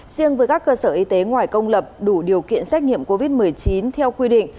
riêng với các cơ sở y tế ngoài công lập đủ điều kiện xét nghiệm covid một mươi chín theo quy định